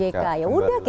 izin dari ojk